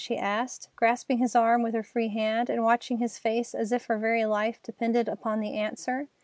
she asked, grasping his arm with her free hand and watching his face as if her very life depended upon the answer.